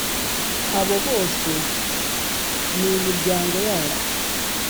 abo bose n'imiryango yabo